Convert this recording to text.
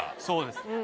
そうです。